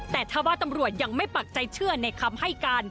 แต่ถ้าว่าตำรวจยังไม่ปักใจเชื่อในคำให้การ